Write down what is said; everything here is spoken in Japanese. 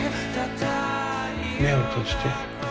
目を閉じて。